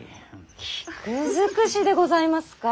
菊尽くしでございますか？